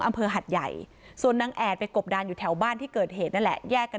อำเภอหัดใหญ่ส่วนนางแอดไปกบด้านอยู่แถวบ้านที่เกิดเหตุนั่นแหละ